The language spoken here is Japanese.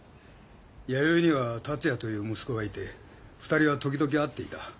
弥生には達也という息子がいて二人は時々会っていた。